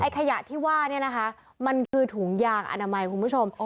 ขยะที่ว่าเนี่ยนะคะมันคือถุงยางอนามัยคุณผู้ชม